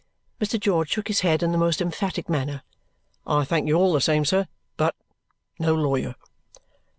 Mr. George shook his head in the most emphatic manner. "I thank you all the same, sir, but no lawyer!"